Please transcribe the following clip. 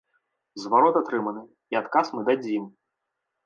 Зварот атрыманы, і адказ мы дадзім.